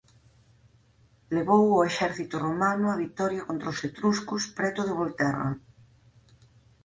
Levou ao exército romano á vitoria contra os etruscos preto de Volterra.